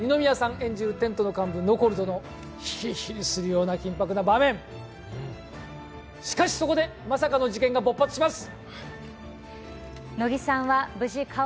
演じるテントの幹部、ノコルとのヒリヒリするような緊迫な場面、しかしそこでまさかの事件が勃発します。